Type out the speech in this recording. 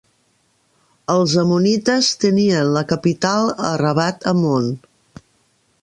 Els ammonites tenien la capital a Rabbath Ammon.